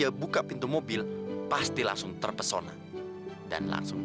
aku gak ngambil sebenernya aku